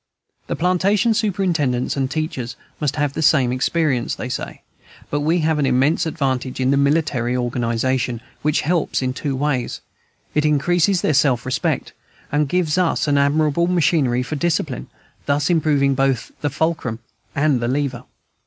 The plantation superintendents and teachers have the same experience, they say; but we have an immense advantage in the military organization, which helps in two ways: it increases their self respect, and it gives us an admirable machinery for discipline, thus improving both the fulcrum and the lever.